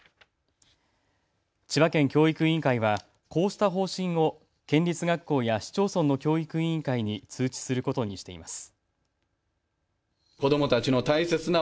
千葉県教育委員会はこうした方針を県立学校や市町村の教育委員会に通知することにしています。